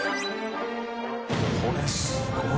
海すごい。